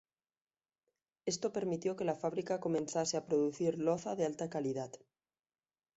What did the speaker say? Esto permitió que la fábrica comenzase a producir loza de alta calidad.